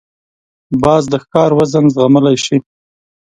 باز د ښکار وزن زغملای شي